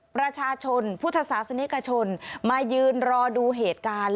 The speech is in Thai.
ประชาชนพุทธศาสนิกชนมายืนรอดูเหตุการณ์